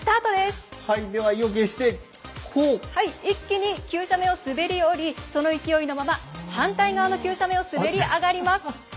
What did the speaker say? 一気に急斜面を滑り降りその勢いのまま反対側の急斜面を滑り上がります。